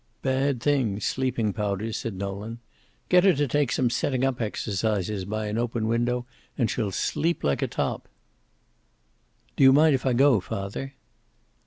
"Bad things, sleeping powders," said Nolan. "Get her to take some setting up exercises by an open window and she'll sleep like a top." "Do you mind, if I go, father?"